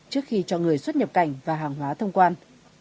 trước khi cho người xuất nhập cảnh và hàng hóa thông quan